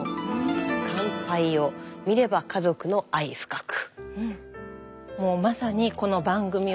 「乾杯を観れば家族の愛深く」。